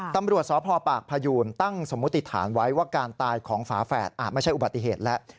ตำรวจสพปากพยูนตั้งสมมุติฐานไว้ว่าการตายของฝาแฝดอาจไม่ใช่อุบัติเหตุแล้ว